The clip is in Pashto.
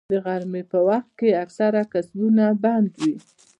د غرمې په وخت کې اکثره کسبونه بنده وي